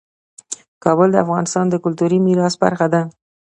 کابل د افغانستان د کلتوري میراث برخه ده.